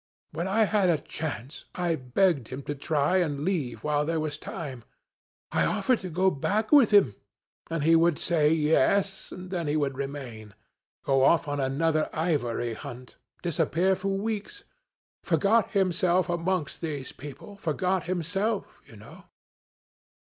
When I had a chance I begged him to try and leave while there was time; I offered to go back with him. And he would say yes, and then he would remain; go off on another ivory hunt; disappear for weeks; forget himself amongst these people forget himself you know.'